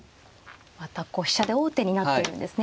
またこう飛車で王手になっているんですね。